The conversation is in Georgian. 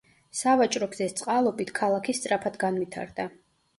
სავაჭრო გზის წყალობით ქალაქი სწრაფად განვითარდა.